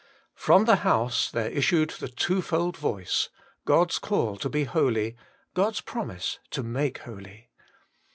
From the house there issued the twofold voice God's call to be holy, God's promise to make holy.